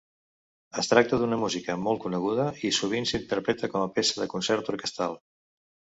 Es tracta d'una música molt coneguda i sovint s'interpreta com a peça de concert orquestral.